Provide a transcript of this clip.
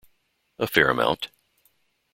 A fair amount.